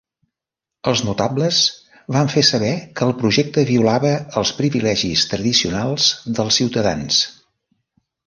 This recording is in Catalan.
Els notables van fer saber que el projecte violava els privilegis tradicionals dels ciutadans.